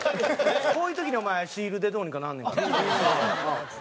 こういう時にお前シールでどうにかなんねんから。